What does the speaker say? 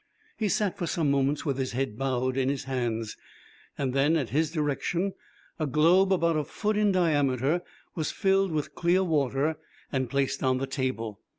He sat for some moments with his head bowed in his hands. Then at his direction a globe about a foot in diameter was filled with clear water and placed on the table.